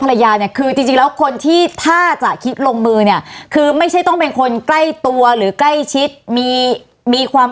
ภรรยาเนี่ยคือจริงแล้วคนที่ถ้าจะคิดลงมือเนี่ยคือไม่ใช่ต้องเป็นคนใกล้ตัวหรือใกล้ชิดมีมีความ